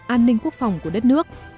an ninh quốc phòng của đất nước